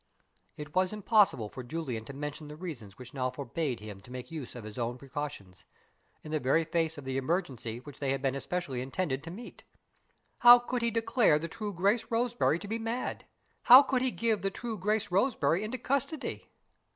It was impossible for Julian to mention the reasons which now forbade him to make use of his own precautions in the very face of the emergency which they had been especially intended to meet. How could he declare the true Grace Roseberry to be mad? How could he give the true Grace Roseberry into custody?